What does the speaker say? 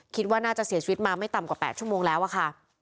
คิดว่าน่าจะเสียชีวิตมาไม่ต่ำกว่า๘ชั่วโมงแล้วอะค่ะ